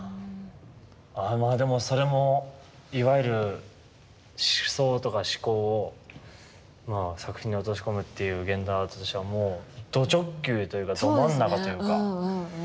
ああまあでもそれもいわゆる思想とか思考を作品に落とし込むっていう現代アートとしてはもうど直球というかど真ん中というか。